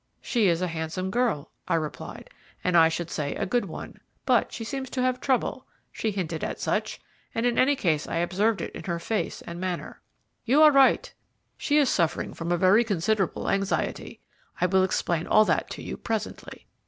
"She is a handsome girl," I replied, "and I should say a good one, but she seems to have trouble. She hinted at such, and in any case I observed it in her face and manner." "You are right, she is suffering from a very considerable anxiety. I will explain all that to you presently.